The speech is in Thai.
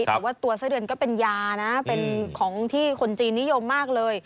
แต่ว่าตัวไส้เดือนก็เป็นยานะเป็นของที่คนจีนนิยมมากเลย